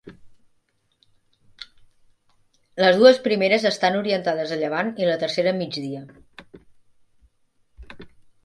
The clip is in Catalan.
Les dues primeres estan orientades a llevant i la tercera a migdia.